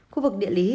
khu vực địa lý